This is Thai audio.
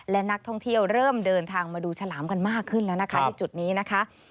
และนักท่องเที่ยวเริ่มเดินทางมาดูฉลามกันมากขึ้นแล้วนะคะที่จุดนี้นะคะ